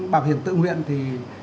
bảo hiểm tự nguyện thì